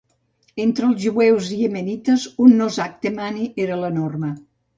Entre els jueus iemenites, un nosach "temani" era la norma.